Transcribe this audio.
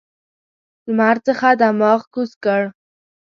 لمر څخه دماغ کوز کړ.